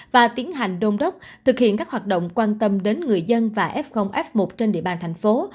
và tiến hành đôn đốc thực hiện các hoạt động quan tâm đến người dân và f f một trên địa bàn thành phố